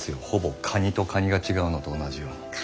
ほぼカニとカニが違うのと同じように。